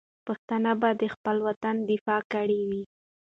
پښتانه به د خپل وطن دفاع کړې وي.